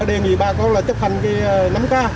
đề nghị bà con là chấp hành cái năm k